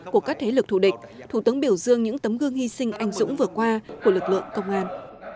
của các thế lực thù địch thủ tướng biểu dương những tấm gương hy sinh anh dũng vừa qua của lực lượng công an